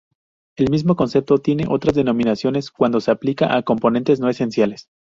El mismo concepto tiene otras denominaciones cuando se aplica a componentes no esenciales.